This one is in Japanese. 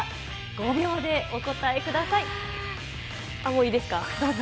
５秒でお答えください。